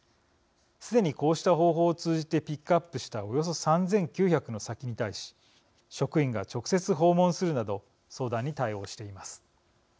すでにこうした方法を通じてピックアップしたおよそ３９００の先に対し職員が直接訪問するなど相談に対応しています。